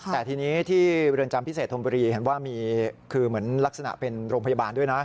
แต่ทีนี้ที่เรือนจำพิเศษธมบุรีเห็นว่ามีคือเหมือนลักษณะเป็นโรงพยาบาลด้วยนะ